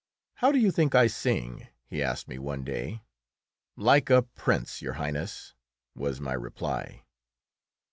"How do you think I sing?" he asked me one day. "Like a prince, Your Highness," was my reply.